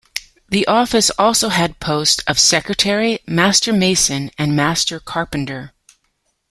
The office also had posts of Secretary, Master Mason and Master Carpenter.